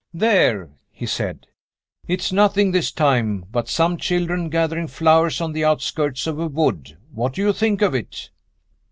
"There!" he said. "It's nothing, this time, but some children gathering flowers on the outskirts of a wood. What do you think of it?"